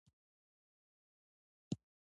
دا ټول هونيان د هغو هونيانو سره يو گڼل کېږي